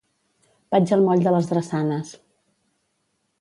Vaig al moll de les Drassanes.